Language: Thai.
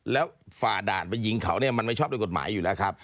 แล้วฝ่าด่านไปยิงเขาเนี่ยมันไม่ชอบด้วยกฎหมายอยู่แล้วครับ